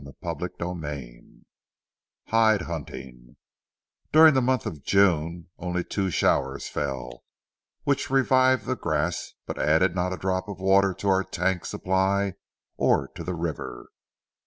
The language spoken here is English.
CHAPTER XIII HIDE HUNTING During the month of June only two showers fell, which revived the grass but added not a drop of water to our tank supply or to the river.